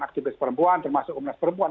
aktivis perempuan termasuk komnas perempuan